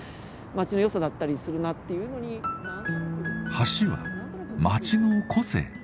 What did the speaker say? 橋は街の個性。